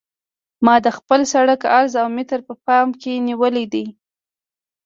ما د خپل سرک عرض اوه متره په پام کې نیولی دی